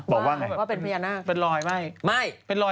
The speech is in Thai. บอกว่าเป็นพญานาค